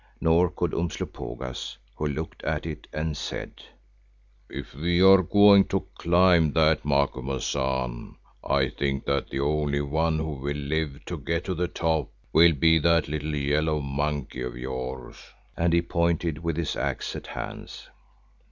Nor could Umslopogaas, who looked at it and said, "If we are to climb that, Macumazahn, I think that the only one who will live to get to the top will be that little yellow monkey of yours," and he pointed with his axe at Hans.